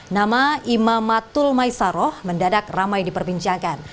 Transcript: nama imamatul maisaroh mendadak ramai diperbincangkan